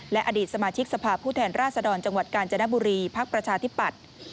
และอดีตสมาชิกสภาพผู้แทนราชดรจังหวัดกาญจนบุรีภักดิ์ประชาธิปัตย์